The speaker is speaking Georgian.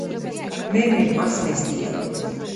მე მიყვარს მესტიაააააააააააააააააააააააააააა